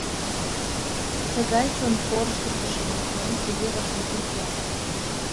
Тыгай чон корштыктышо мутлан кузе вашмутым пуаш?